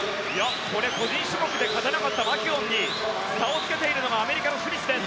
これ、個人種目で勝てなかったマキュオンに差をつけているのがアメリカのスミスです。